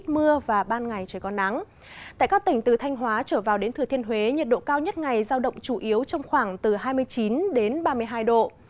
tại các tỉnh từ thanh hóa trở vào đến thừa thiên huế nhiệt độ cao nhất ngày giao động chủ yếu trong khoảng từ hai mươi chín đến ba mươi hai độ